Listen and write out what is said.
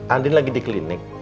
andin lagi di klinik